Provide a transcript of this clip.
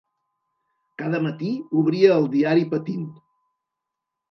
Cada matí obria el diari patint.